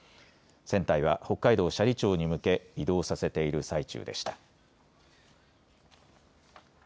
船体は北海道斜里町に向け移動させている最中でした。